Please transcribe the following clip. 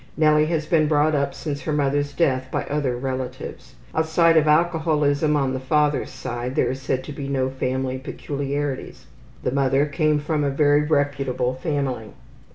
Nellie has been brought up since her mother's death by other relatives. Outside of alcoholism on the father's side there is said to be no family peculiarities. The mother came from a very reputable family.